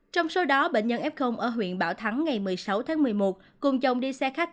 trong số đó bệnh nhân f ở huyện bảo thắng ngày một mươi sáu tháng một mươi một cùng chồng đi xe khách